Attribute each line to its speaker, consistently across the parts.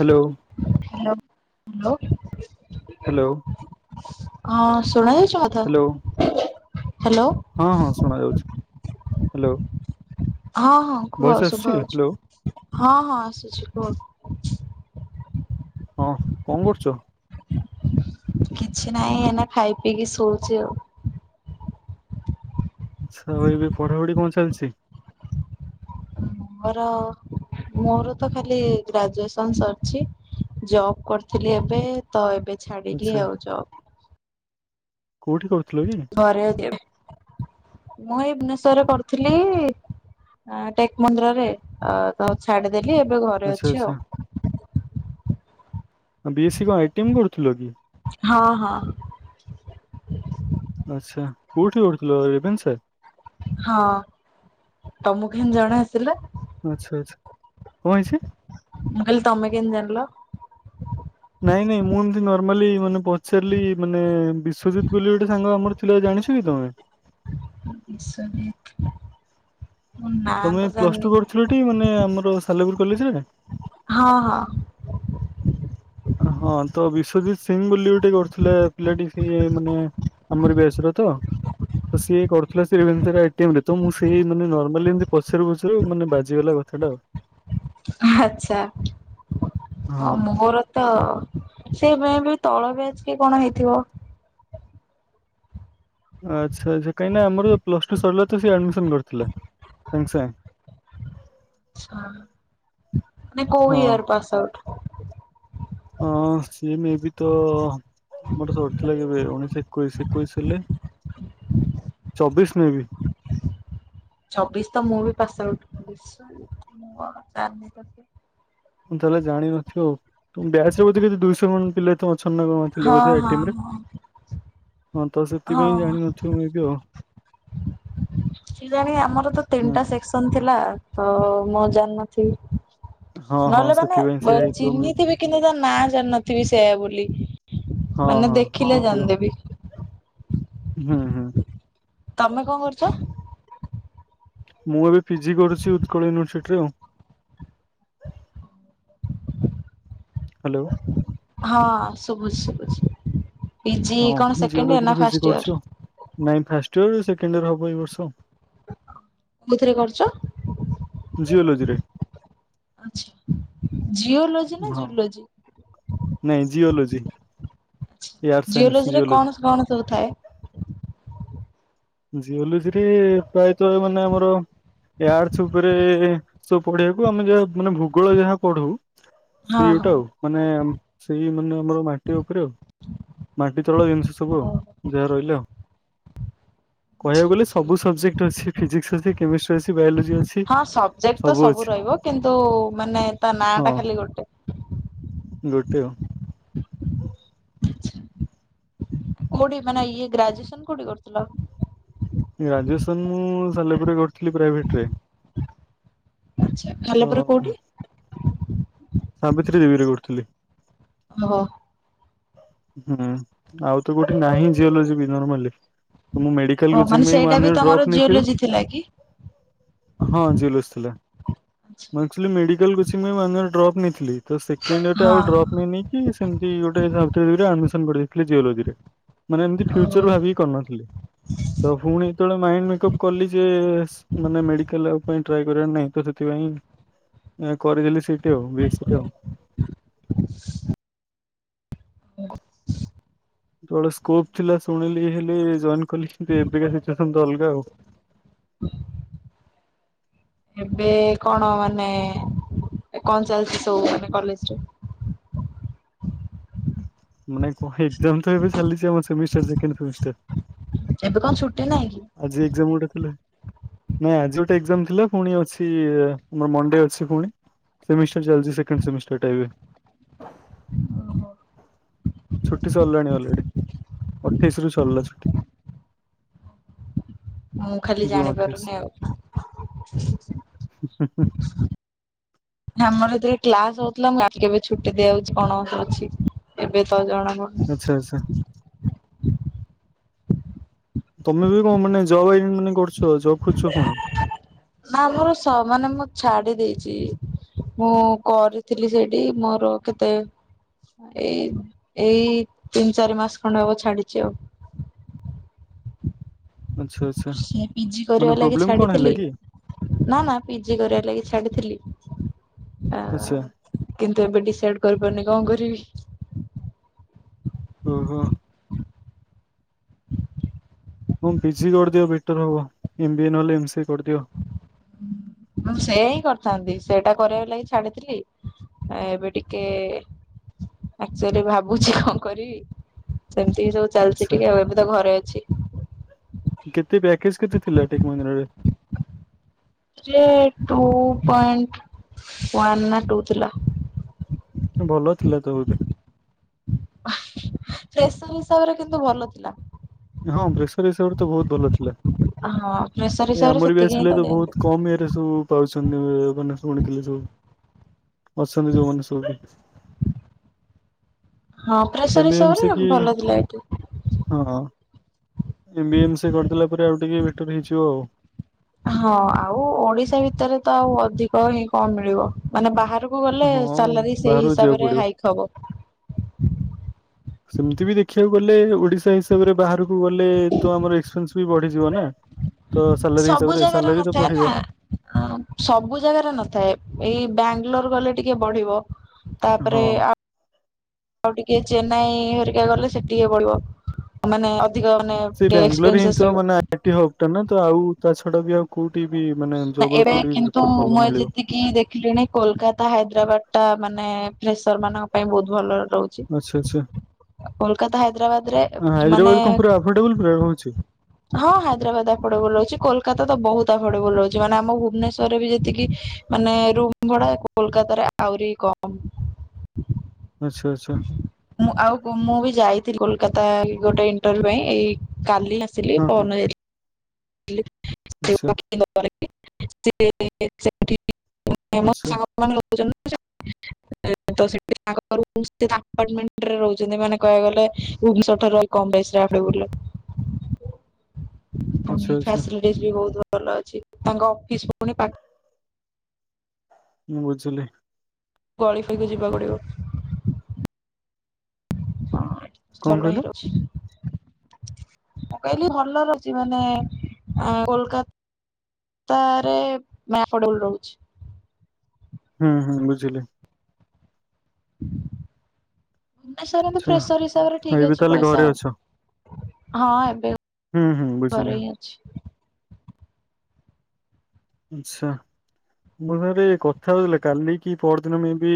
Speaker 1: Hello
Speaker 2: hello.
Speaker 1: Hello.
Speaker 2: ହଁ ଶୁଣା ଯଉଛି ମୋ
Speaker 1: ହ୍ୟାଲୋ
Speaker 2: କଥା? ହ୍ୟାଲୋ
Speaker 1: ହଁ ହଁ ଶୁଣା ଯାଉଛି ହ୍ୟାଲୋ।
Speaker 2: ହଁ ହଁ କୁହ
Speaker 1: ଭଏସ ଆସୁଛି ହ୍ୟାଲୋ
Speaker 2: ଶୁଭାଉଛି ହଁ ହଁ ଆସୁଛି କୁହ।
Speaker 1: ହଁ କଣ କରୁଛ?
Speaker 2: କିଛି ନାହିଁ ଏନା ଖାଇ ପିଇକି ଶଉଛି ଆଉ।
Speaker 1: ଆଛା ଆଇ ବି ପଢାପଢି କଣ ଚାଲିଛି?
Speaker 2: ମୋର ମୋର ତ ଖାଲି ଗ୍ରାଜୁଏସନ ସରିଛି। ଜବ କରିଥିଲି ଏବେ ତ ଏବେ
Speaker 1: ଆଚ୍ଛା
Speaker 2: ଛାଡିଲି ଆଉ ଜବ।
Speaker 1: କୋଉଠି କରୁଥିଲ କି
Speaker 2: ଘରେ ଅଛି ଏବେ ମୁଁ ଏଇ [unintelligible] [unintelligible] କରିଥିଲି ଆଁ ଟେକ୍ ମନ୍ଦିରରେ ଏଁ ତ ଛାଡି ଦେଲି ଏବେ ଘରେ ଅଛି ଆଉ।
Speaker 1: ବିଏସ କଣ ଏଟି ଏମ୍ କରୁଥିଲ କି?
Speaker 2: ହଁ ହଁ।
Speaker 1: ଆଚ୍ଛା କୋଉଠି କରୁଥିଲ ରେଭେନ୍ସାରେ?
Speaker 2: ହଁ ତମକୁ କେମିତି ଜଣା ଆସିଲା।
Speaker 1: ଆଚ୍ଛା ଆଚ୍ଛା। କଣ ହେଇଛି
Speaker 2: ମୁଁ କହିଲି ତମେ କେନି ଜଣିଲ।
Speaker 1: ନାଇଁ ନାଇଁ ମୁଁ ଏମତି ନର୍ମାଲି ମାନେ ପଚାରିଲି ମାନେ ବିଶ୍ଵଜିତ ବୋଲି ଗୋଟେ ସାଙ୍ଗ ଆମର ଥିଲ ଜାଣିଛ କି ତମେ?
Speaker 2: ବିଶ୍ୱନିତ ନା
Speaker 1: ତମେ
Speaker 2: ତ
Speaker 1: ପ୍ଲସ ଟୁ
Speaker 2: ଜାଣିନି
Speaker 1: କରୁଥିଲଟି ମାନେ ଆମର ସାଲେପୁର କଲେଜରେ
Speaker 2: ହଁ ହଁ।
Speaker 1: ହଁ ତ ବିଶ୍ଵଜିତ ସିଂ ବୋଲି ଗୋଟେ କରୁଥିଲା ପିଲାଟି ସିଏ ମାନେ ଆମର ବ୍ୟାଚରତ। ତ ସିଏ କରୁଥିଲା ସେ ରେଭେନ୍ସାରେ ଆଇ ଟି ଏମରେ ତ ମୁଁ ସେ ମାନେ ନର୍ମାଲି ଏମତି ପଚାରୁ ପଚାରୁ ମାନେ ବାଜିିଗଲା। କଥାଟା
Speaker 2: ଆଛା
Speaker 1: ହଁ
Speaker 2: ଆଉ ମୋହର ତ ସେ ମେ ବି ତଳ ବ୍ୟାଚ୍ କି କଣ ହେଇଥିବ?
Speaker 1: ଆଚ୍ଛା ଆଚ୍ଛା କାହିଁକିନା ଆମର ପ୍ଲସ୍ ଟୁ ସରିଲା ତ ସ ଆଡମିସନ କରିଥିଲା ସାଙ୍ଗେ ସାଙ୍ଗେ।
Speaker 2: ଆଚ୍ଛା ନାଇଁ କୋଉ ଇୟର ପାସ୍ ଆଉଟ୍?
Speaker 1: ଆଁ ସିଏ ମେବି ତ। ମୋରତ ସରିଥିଲା କେବେ ଉଣେଇଶହ ଏକୋଇଶ ଏକୋଇଶ ହେଲେ। ଚବିଶ ମେ ବି।
Speaker 2: ଛବିଶ ତ ମୁଁ ବି ପାସ ଆଉଟ ହେଇଛି [inaudible]
Speaker 1: ତମେ ତାହେଲେ ଜାଣିିନଥିବି ଆଉ। ତୁମ ବ୍ୟାଚରେ ବୋଧେ ଦୁଇଶହ କଣ ପିଲା ଥ ପ୍ରଛନ୍ନ କଣ ଥିଲେ
Speaker 2: ହଁ
Speaker 1: ବୋଧେ ଆଇ
Speaker 2: ହଁ
Speaker 1: ଟି ଏମରେ। ହଁ ତ
Speaker 2: ହଁ
Speaker 1: ସେଥିପାଇଁ
Speaker 2: ହଁ।
Speaker 1: ଜାଣିନଥିବୁ ମେବି ଆଉ।
Speaker 2: କିଜାଣ ଆମର ତ
Speaker 1: ହଁ
Speaker 2: ତିନିଟା ସେକ୍ସନ ଥିଲା ତ ମୁଁ ଜାଣିନଥିବି।
Speaker 1: ହଁ ହଁ
Speaker 2: ନହେଲେ ମାନେ
Speaker 1: ସେଥିପାଇଁ
Speaker 2: ବ
Speaker 1: ସେୟା ହେଇଥିବ ମେ ବି
Speaker 2: ଚିହ୍ନିଥିବି କିନ୍ତୁ ତା ନାଁ ଜାଣି ନଥିବି ସେୟ ବୋଲି।
Speaker 1: ହଁ
Speaker 2: ମାନେ
Speaker 1: ହଁ
Speaker 2: ଦେଖିଲେ
Speaker 1: ହେଇଥିବ
Speaker 2: ଜାଣି ଦେବି।
Speaker 1: ହୁଁ ହୁଁ।
Speaker 2: ତମେ କଣ କରୁଛ?
Speaker 1: ମୁଁ ଏବେ ପି ଜି କରୁଛି ଉତ୍କଳ ୟୁନିଭରସିଟିରେ ଆଉ। ହ୍ୟାଲୋ
Speaker 2: ହଁ ଶୁଭୁଛି ଶୁବୁଛି। ପି ଜି
Speaker 1: ହଁ
Speaker 2: କଣ ସେକେଣ୍ଡ ଇୟର୍
Speaker 1: ଜିଓଲୋଜିରେ
Speaker 2: ନା
Speaker 1: ପିଜି
Speaker 2: ଫାଷ୍ଟ
Speaker 1: କରୁଛି
Speaker 2: ଇୟର୍?
Speaker 1: ଆଉ। ନାଇଁ ଫାଷ୍ଟ ଇୟର ସେକେଣ୍ଡ ଇୟର ହବ ଏଇ ବର୍ଷ।
Speaker 2: କୋଉଥିରେ କରୁଛ?
Speaker 1: ଜିଓଲଜିରେ।
Speaker 2: ଆଚ୍ଛା ଜିଓଲୋଜି ନା ଜୁଲୋ।
Speaker 1: ନାଇଁ ଜିଓଲଜି। ଏୟାର ସାଇନ୍ସ
Speaker 2: ଜିଓଲୋଜିରେ କଣ
Speaker 1: ଜିଓଲଜି।
Speaker 2: କଣ ସବୁ ଥାଏ?
Speaker 1: ଜିଓଲୋଜିରେ ପ୍ରାୟତ ମାନେ ଆମର ଆର୍ଥ ଉପରେ ସବୁ ପଢିବାକୁ ଆମେ ଯାହା ମାନେ ଭୂଗୋଳ ଯାହା ପଢୁ।
Speaker 2: ହଁ
Speaker 1: ସେ
Speaker 2: ହଁ।
Speaker 1: ଗୋଟେ ଆଉ, ମାନେ ସେଇ ମାନେ ଆମର ମାଟି ଉପରେ, ମାଟି ତଳ ଜିନିଷ ସବୁ ଯାହା ରହିଲା ଆ କହିବାକୁ
Speaker 2: ବୁଝିଲି
Speaker 1: ଗଲେ
Speaker 2: ବୁଝିଲି।
Speaker 1: ସବୁ ସବଜେକ୍ଟ ଅଛି- ଫିଜିକ୍ସ ଅଛି, କେମିଷ୍ଟ୍ରି ଅଛି, ବାୟୋଲୋଜି ଅଛି,
Speaker 2: ହଁ ସବଜେକ୍ଟ ତ
Speaker 1: ସବୁ ଅଛି।
Speaker 2: ରହିବ କିନ୍ତୁ ମାନେ ତା ନାଁ
Speaker 1: ହଁ
Speaker 2: ଟା ଖାଲି ଗୋଟେ
Speaker 1: ଗୋଟେ
Speaker 2: କୋଉଠି ମାନେ ଇଏ ଗ୍ରାଜୁଏସନ କୋଉଠି କରୁଥିଲ?
Speaker 1: ଗ୍ରାଜୁଏସନ ମୁଁ ସାଲେପୁରରେ କରିଥିଲି ପ୍ରାଇଭେଟରେ
Speaker 2: ଆଛା,
Speaker 1: ତ
Speaker 2: ସାଲେପୁର କୋଉଠି?
Speaker 1: ସାବିତ୍ରୀ ଦେବୀରେ କରୁଥିଲି।
Speaker 2: ଓ ହୋ।
Speaker 1: ହୁଁ ଆଉ ତ କୋଉଠି ନାହିଁ ଜିଓଲୋଜି ବି ନର୍ମାଲି ମୁଁ
Speaker 2: ଓ
Speaker 1: ମେଡିକାଲକୁ
Speaker 2: ମାନେ ସେଇଟା ବି
Speaker 1: [unintelligible]
Speaker 2: ତମର
Speaker 1: ଡ୍ରପ ନେଇଥିଲି।
Speaker 2: ଜିଓଲୋଜି ଥିଲା କି?
Speaker 1: ହଁ ଜଲ [unintelligible] ମୁ ଆ କିଛିୟ [unintelligible] ମ ଡ୍ରପ୍ ନେଇଥିଲି। ତ ସେକେଣ୍ଡ ଇର ଆଉ
Speaker 2: ହଁ
Speaker 1: ଡ୍ରପ୍ ନେଇନିକି ସେମିତି ଗୋଟେରେ ଆଡମିସନ କରିଦେଇଥିଲେ ଜିଓଲୋଜିରେ ମାନେ ଏମତି
Speaker 2: ଓ
Speaker 1: ଫ୍ୟୁଚର ଭାବିକି କରିନଥିଲଥିଲେ ତ ପୁଣି ଯେତେବେଳେ ମାଇଣ୍ଡ ମେକଅପ୍ କଲି ଯେ [unintelligible] ନ ମେଡିକାଲ କର ନାଁ ସେଥିପାଇଁ ସେଠି ଆଉ ଆଉ।
Speaker 2: [inaudible]
Speaker 1: ସ୍କୋପ ଥିଲା ଶୁଣିଲି ହେ ଜଏନ କଲି, ଏବେକା ସିଚୁଏସନ ତ ଅଲଗା ଆଉ। [inaudible]
Speaker 2: ଏବେ କଣ ମାନେ କଣ ଚାଲିଛି ସବୁ ମାନେ କଲେଜରେ
Speaker 1: ମାନେ କଣ ଏାମ ତ ଏବେ ଚାଲିଛି ଆମଷ୍ଟ
Speaker 2: ଏବେ କଣ ଛୁଟି ନାହିଁ କି?
Speaker 1: ଆଜି ଏଜାମ ଗୋଟେ ଥିଲା। ନାଇଁ ଆଜି ଗୋଟେ ଏଜାମ ଥିଲା, ପୁଣି ଅଛି ଆର ମଣ୍ଡେ ଅଛି ପୁଣି ସେମିଷ୍ଟର ଚାଲଛି ସେକଣ୍ଡ ସେମିଷ୍ଟର ଟାଇବେ। ଛୁଟି ସରିଲାଣି ଅଲରେଡି, ଅଠେଇଶି ରୁ ସରିଲା ଛୁଟି
Speaker 2: ମୁଁ ଖାଲି
Speaker 1: ଜୁନ ଅଠେଇଶ
Speaker 2: ଜାଣିପାରୁନି ଆଉ ହମର ଏ ଦେ କ୍ଲାସ ହଉଥିଲା ମୁଁ କେବେ ଛୁଟି ଦିଆଯାଉଛି, କଣ ଅଛି ଏବେ ତ ଜଣ
Speaker 1: ଆଛା ଆଛା। ତମେ ବି କଣ ମାନେ ଜବ୍ ଇ ମାନେ କରୁଛ? ଜବ୍ ଖୋଜୁଛ ପୁଣି
Speaker 2: ନା ମୋର ମାନେ ମୁଁ ଛାଡି ଦେଇଛି। ମୁଁ କରିଥିଲି ସେଇଠି, ମୋର କେତେ ଏଇ ଏଇ ତିନି ଚାରି ମାସ ଖଣ୍ଡେ ହବ ଛାଡିଛି ଆଉ।
Speaker 1: [inaudible] ଆଚ୍ଛା ଆଚ୍ଛା
Speaker 2: ସେ ପିଜି
Speaker 1: ମାନେ
Speaker 2: କରିବା ଲାଗି
Speaker 1: ପ୍ରୋବ୍ଲେମ କଣ ହେଲା
Speaker 2: ଛାଡିଥିଲି,
Speaker 1: କି
Speaker 2: ନା, ନା, ପିଜି କରିବା ଲାଗି ଛାଡିଥିଲି। ଆ
Speaker 1: ଆଚ୍ଛା।
Speaker 2: କିନ୍ତୁ ଏବେ ଡିସାଇଡ କରିପାରୁନି କଣ କରିବି?
Speaker 1: ଓ ହୋ। ହଁ ପିଜି କରିଦିଅ ବେଟର ହବ। ଏମ ଵି ଏ ନହଲେ ଏମ ସି ଏ କରିଦିଅ
Speaker 2: ଆଉ ସେ ହିଁ କରିଥାନ୍ତି। ସେଇଟା କରିବା ଲାଗି ଛାଡିଥିଲି, ଏବେ ଟିକେ ଆଚୁଆଲି ଭାବୁଛି କଣ କରିବି? ସେମିତି ସବୁ ଚାଲିଛି
Speaker 1: ଆଚ୍ଛା
Speaker 2: ଟିକେ ଆଉ ଏବେ ତ ଘରେ ଅଛି।
Speaker 1: କେତେ ପ୍ୟାକେଜ କେତେ ଥିଲା ଟେକ ମଙ୍ଗରାରେ।
Speaker 2: ଟୁ ପଏଣ୍ଟ ୱାନ ନା ଟୁ ଥିଲା।
Speaker 1: ଭଲ ଥିଲାତ ଵଦେ।
Speaker 2: ସେସର ହିସାବରେ କିନ୍ତୁ ଭଲ ଥିଲା।
Speaker 1: ସେସ ହିସାବ ରେ ତ ବହୁତ ଭଲ ଥିଲା।
Speaker 2: ପ୍ରେସେ
Speaker 1: ଆମରି ବ୍ୟାଚ ପିଲା ତ ବହୁତ କମ ଇଏରେ ସବୁ ପାଉଛନ୍ତି ମାନେ ଶୁଣିଥିଲେି ସବୁ। ଅଛନ୍ତି ଯୋଉମାନେ ସବୁ।
Speaker 2: ହଁ ପ୍ରେସର
Speaker 1: ଏମ୍ବି ଏମ
Speaker 2: ହିସାବରେ
Speaker 1: ସ କି
Speaker 2: ଭଲ ଥିଲା ଏଇଠି।
Speaker 1: ହଁ। ଏମ୍ବି ଏମ ସିକି କରିଥିଲା ପରେ ଆଉ ଟିକେ ବେଟର ହେଇଯିବ ଆଉ।
Speaker 2: ହଁ ଆଉ ଓଡିଶା ଭିତରେ ତ ଆଉ ଅଧିକ ଇନ କଣ ମିଳିବ ମାନେ ବାହାରକୁ ଗଲେ
Speaker 1: ହଁ
Speaker 2: ସାଲାରୀ ସେଇ
Speaker 1: ବାହାରକୁ ଯିବାକୁ
Speaker 2: ହିସାବରେ
Speaker 1: ପଡିବ।
Speaker 2: ହାଇକ୍ ହବ।
Speaker 1: ସେମିତି ବି ଦେଖିବାକୁ ଗଲେ ଓଡିଶା ହିସାବରେ ବାହାରକୁ ଗଲେ ତ ଆମର ଏକ୍ସପେନ୍ସ ବି ବଢିଯିବ ନା। ତ ସାଲାରୀ
Speaker 2: ସବୁ
Speaker 1: ହିସାବରେ
Speaker 2: ଜାଗାରେ
Speaker 1: ସାଲାରୀ ତ
Speaker 2: ନଥାଏ
Speaker 1: ବଢିବ
Speaker 2: ନା। ସବୁ ଜାଗାରେ ନଥାଏ ଏଇ ବ୍ୟାଙ୍କ [inaudible] କଲେ ଟିକେ ବଢିବ ତାପରେ
Speaker 1: ହଁ।
Speaker 2: ଆ ଆଉ ଟିକେ ଚେନ୍ନାଇ ହରିକା ଗଲେ ସେ ଟିକେ ପଳିବ ମାନେ ଅଧିକ ମାନେ
Speaker 1: ସେ
Speaker 2: ଟିକେ
Speaker 1: ବାଙ୍ଗାଲୋର ହିଁ
Speaker 2: ଏକ୍ସପେନସେସ୍
Speaker 1: ତ
Speaker 2: ରହିବ
Speaker 1: ମାନେ ଆଇଟି ହୋପ ହଉ ଟାନା ଆଉ ତା ଛଡା ବି ଆଉ କୋଉଠି ବି ମାନେ
Speaker 2: ନା
Speaker 1: ଜବ୍ ଆଉ
Speaker 2: ଏବେ
Speaker 1: କୋଉଠି ବି
Speaker 2: କିନ୍ତୁ
Speaker 1: ପ୍ରିଫର ଭଲ
Speaker 2: ମୁଁ
Speaker 1: ମିଳିବ
Speaker 2: ଯେତିକି ଦେଖିଲିଣି କୋଲକାତା ହାଇଦ୍ରାବାଦ ଟା ମାନେ ପ୍ରେ ଫ୍ରେସମାନଙ୍କ ପାଇଁ ବହୁତ ଭଲ। ରହୁଛି।
Speaker 1: ଆଚ୍ଛା ଆଚ୍ଛା।
Speaker 2: କୋଲକାତା ହାଇଦ୍ରାବାଦ ରେ ମାନେ
Speaker 1: ହାଇଦ୍ରାବାଦ କ ପୁରା ଆଫୋର୍ଡେବଲ ପ୍ରାୟ ରହୁଛି।
Speaker 2: ହଁ ହାଇଦ୍ରାବାଦ ଆଫୋଡେବୁଲ ରହୁଛି କୋଲକାତା ତ ବହୁତ ଆଫୋଡେବୁଲ ରହୁଛିାନେ ଆମ ଭୁବନେଶ୍ରରେ ବି ଯେତିକି ମାନେ ରୁମ ଭଡା କୋଲକତାରେ ଆହୁରି କମ।
Speaker 1: ଆଚ୍ଛା ଆଚ୍ଛା
Speaker 2: ମୁଁ ଆଉ ମୁଁ ବି ଯାଇଥିଲି କୋଲକାତା। କଥା ଗୋଟେ ଇଣ୍ଟରଭ୍ୟୁ ପାଇଁ ଏଇ କାଲି ଆସିଲି
Speaker 1: ହଁ
Speaker 2: ପହର
Speaker 1: ହଁ
Speaker 2: ଦିନ ଯାଇଥିଲି।
Speaker 1: ଆଚ୍ଛା
Speaker 2: [unintelligible]
Speaker 1: ଆଚ୍ଛା
Speaker 2: ସାଙ୍ଗେ ଲୁଛନ୍ତି [inaudible] ଅପାଟମେଣ୍ଟ ରହୁଛନ୍ତି ମାନେ କହିବାକୁ ଗଲେ ଭୁବନେଶ୍ୱର ଠାରୁ ଅଲଗା। ବମ୍ବେଇ ଷ୍ଟାପ ରେ ବୁଲେ
Speaker 1: ଆଚ୍ଛା
Speaker 2: ପୁଣି
Speaker 1: ଆଚ୍ଛା
Speaker 2: ଫାସିଲିଟି ବି ବହୁତ ଭଲ ଅଛି। ତାଙ୍କ ଅଫିସ ପୁଣି ପାଠ
Speaker 1: ମୁଁ ବୁଝିଲି।
Speaker 2: ଗଳି ଖାଇକି ଯିବାକୁ ପଡିବ।
Speaker 1: କଣ
Speaker 2: ବଲାଙ୍ଗୀର
Speaker 1: କହିଲ
Speaker 2: ରେ ଅଛି। ମୁଁ କହିଲି ଭଲର ଅଛି ମାନେ କୋଲକାତା ତାରେ ଆଫଡେବୁଲ ରହୁଛି।
Speaker 1: ହୁଁ ହୁଁ ବୁଝିଲି।
Speaker 2: ନା ସାର
Speaker 1: ଆଚ୍ଛା
Speaker 2: ଫ୍ରେସର ହିସାବରେ ଠିକ
Speaker 1: ଏବେ
Speaker 2: ଅଛି
Speaker 1: ତାହେଲେ
Speaker 2: ପଇସା
Speaker 1: ଘରେ ଅଛ
Speaker 2: ଆଉ। ହଁ ଏବେ
Speaker 1: ହୁଁ ହୁଁ ବୁଝିଲି
Speaker 2: ଘରେ ହିଁ ଅଛି।
Speaker 1: ଆଚ୍ଛା। ମୋ ପାଖରେ କଥା ହଉଥିଲା କାଲି କି ପର ଦିନ ମେ ବି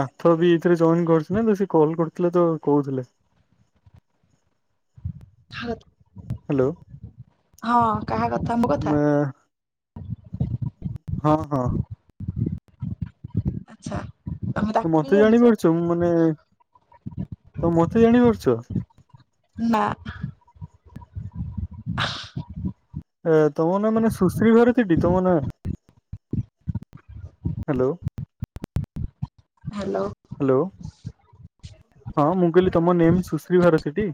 Speaker 1: ନାଥ ବି ଏଥିରେ ଜଏନ କରୁଥିଲା ସେ କଲ କରୁଥିଲେ ତ କହୁଥିଲେ। ହ୍ୟାଲୋ
Speaker 2: ହଁ କାହା କଥା ମୋ କଥା।
Speaker 1: ମା- ହଁ ହଁ।
Speaker 2: ଆଛା।
Speaker 1: ମତେ ଜାଣିପାରୁଛ ମାନେ ତ ମତେ ଜାଣିପାରୁଛ?
Speaker 2: ନା। [inaudible]
Speaker 1: ଆ ତମ ନାଁ ମାନେ ସୁଶ୍ରୀ ଭାରତୀଟି ତମ ନାଁ? ହାଲୋ।
Speaker 2: ହାଲୋ।
Speaker 1: ହଁ ମୁଁ କହିଲି ତମ ନେମ ସୁଶ୍ରୀ ଭାରତୀଟି?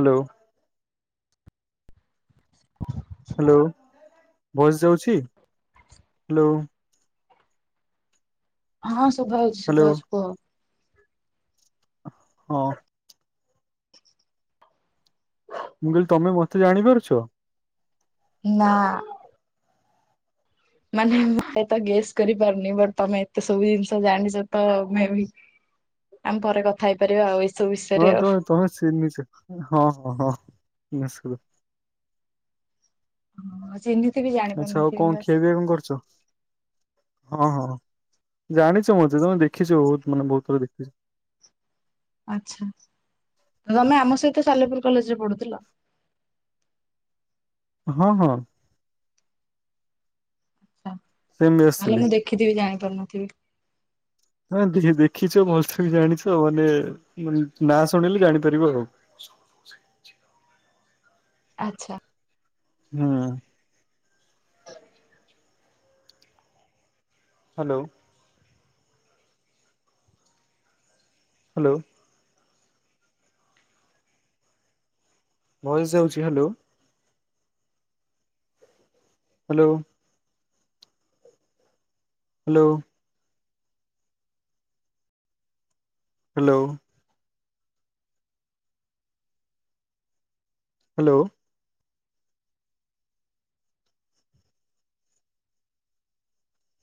Speaker 1: ହାଲୋ।
Speaker 2: [inaudible]
Speaker 1: ହ୍ୟାଲୋ, ଭୟସ ଯାଉଛି? ହ୍ୟାଲୋ।
Speaker 2: ହଁ ସୁଭାଉଚି
Speaker 1: ହ୍ୟାଲୋ
Speaker 2: ସୁଭାଉଚି କୁହ?
Speaker 1: ହଁ। ମୁଁ କହିଲି ତମେ ମତେ ଜାଣିପାରୁଛ?
Speaker 2: ନା। ମାନେ ମୁ ଏ ତ ଗେସ୍ କରିପାରୁନି ବଟ ତମେ ଏତେ ସବୁ ଜିନିଷ ଜାଣିଛ ତ ମେ ବି ଆମେ ପରେ କଥା ହେଇପାରିବା ଆଉ ଏସ୍‌
Speaker 1: ହଁ ତମ ତମେ ଚିହ୍ନିଚ ହଁ ହଁ ହଁ। [unintelligible]
Speaker 2: ହଁ ଚିନିଚ୍
Speaker 1: ଆଛା ଆଉ କଣ ଖିଆ ପିଆ କଣ କରିଛ? ହଁ ହଁ। ଜାଣିଛ ମତେ ତମେ ଦେଖିଛ ବହୁତ ମାନେ ବହୁତ ଥର ଦେଖିଛ।
Speaker 2: ଆଛା ତମେ ଆମ ସହିତ ସାଲେପୁର କଲେଜରେ ପଢୁଥିଲ?
Speaker 1: [inaudible] ହଁ ହଁ। ସେମିତି
Speaker 2: ତାହେଲେ
Speaker 1: ଆସିଥିଲି।
Speaker 2: ମୁଁ ଦେଖିଥିବି ଜାଣିପାରୁନଥିବି।
Speaker 1: ହଁ ଦେ ଦେଖିଛ ଭଲସେ ବି ଜାଣିଛ ମାନେ ନାଁ ଶୁଣିଲେ ଜାଣିପାରିବ ଆଉ। [inaudible]
Speaker 2: ଆଚ୍ଛା।
Speaker 1: ହୁଁ। ହ୍ୟାଲୋ। ହ୍ୟାଲୋ। ଭୟସ୍ ଯାଉଛି hello. Hello. Hello. Hello. Hello.